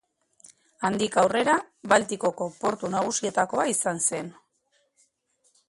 Handik aurrera, Baltikoko portu nagusietakoa izan zen.